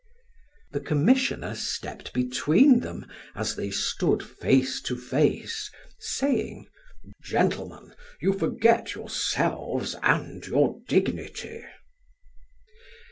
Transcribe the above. The commissioner stepped between them, as they stood face to face, saying: "Gentlemen, you forget yourselves and your dignity."